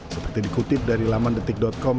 seperti dikutip dari laman detik com